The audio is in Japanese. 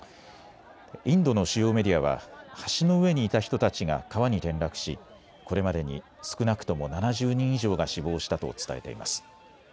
インドの主要メディアは橋の上にいた人たちが川に転落しこれまでに少なくとも７０人以上が死亡したと伝えています。